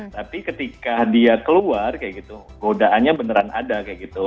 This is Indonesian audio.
tapi ketika dia keluar kayak gitu godaannya beneran ada kayak gitu